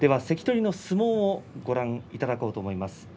関取の相撲をご覧いただこうと思います。